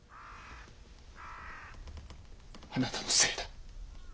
あなたのせいだ。